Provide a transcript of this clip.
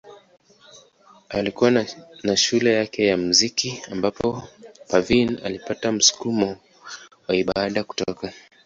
Alikuwa na shule yake ya muziki ambapo Parveen alipata msukumo wa ibada kutoka.